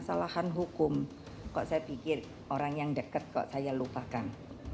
kesalahan hukum kok saya pikir orang yang dekat kok saya lupakan